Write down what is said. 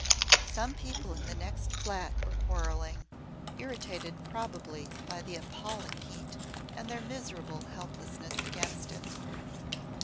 Some people in the next flat were quarrelling, irritated probably by the appalling heat and their miserable helplessness against it.